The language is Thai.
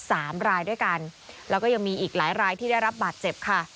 สามรายด้วยกันแล้วก็ยังมีอีกหลายรายที่ได้รับบาดเจ็บค่ะ